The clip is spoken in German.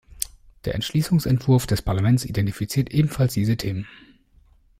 Der Entschließungsentwurf des Parlaments identifiziert ebenfalls diese Themen.